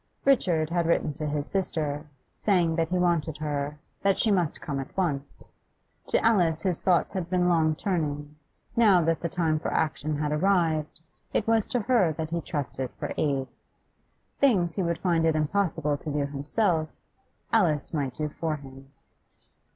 Richard had written to his sister, saying that he wanted her, that she must come at once. To Alice his thoughts had been long turning; now that the time for action had arrived, it was to her that he trusted for aid. Things he would find it impossible to do himself, Alice might do for him.